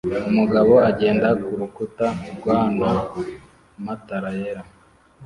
Umugabo agenda kurukuta rwana matara yera